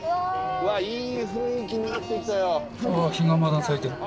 うわっいい雰囲気になってきたよ。